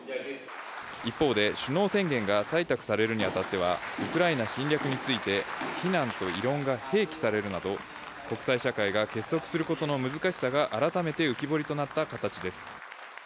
一方で首脳宣言が採択されるにあたっては、ウクライナ侵略について、非難と異論が併記されるなど、国際社会が結束することの難しさが改めて浮き彫りとなった形です。